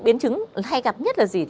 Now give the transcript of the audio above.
biến trứng hay gặp nhất là gì